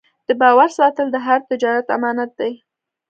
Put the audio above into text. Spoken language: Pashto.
د باور ساتل د هر تجارت امانت دی.